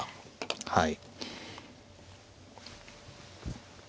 はい。